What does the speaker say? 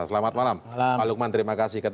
selamat malam pak lukman terima kasih